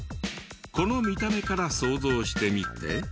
この見た目から想像してみて。